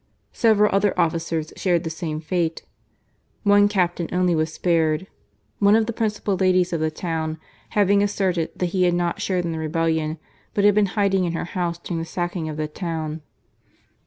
Several other officers shared the same fate. One captain only was spared, one of the principal ladies of the town having asserted that he had not shared in the rebellion, but had been hiding in her house during the sacking of the town.